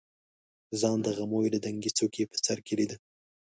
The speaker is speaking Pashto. ځان د غمیو د دنګې څوکې په سر کې لیده.